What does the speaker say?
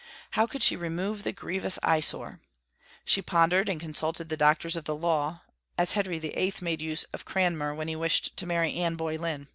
How could she remove the grievous eye sore? She pondered and consulted the doctors of the law, as Henry VIII. made use of Cranmer when he wished to marry Anne Boleyn.